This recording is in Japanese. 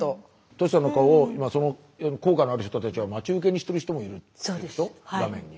トシさんの顔を今その効果のある人たちは待ち受けにしてる人もいるんでしょ画面に。